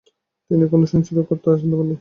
তিনি কোন সেঞ্চুরিরও সন্ধান পাননি।